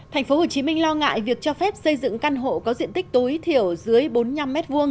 tp hcm lo ngại việc cho phép xây dựng căn hộ có diện tích tối thiểu dưới bốn mươi năm m hai